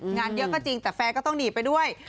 งานเยอะก็จริงแต่แฟนก็ต้องหนีไปด้วย